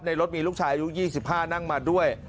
รถมีลูกชายอายุ๒๕นั่งมาด้วย